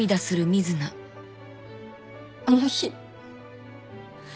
あの日。